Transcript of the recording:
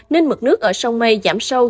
nên mực nước ở sông mây giảm sâu